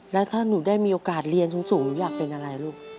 แล้วถ้าหนูได้มีโอกาสเรียนสูงหนูอยากเป็นอะไรลูก